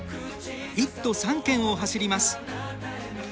１都３県を走ります。